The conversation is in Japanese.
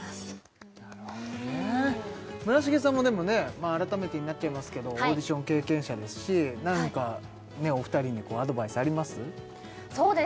まあ改めてになっちゃいますけどオーディション経験者ですし何かお二人にアドバイスあります？